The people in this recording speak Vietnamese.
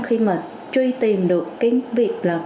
khi mà truy tìm được cái việc là